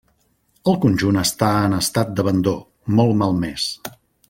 El conjunt està en estat d'abandó, molt malmès.